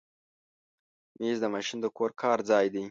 مېز د ماشوم د کور کار ځای دی.